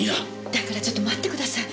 だからちょっと待ってください。